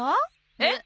えっ？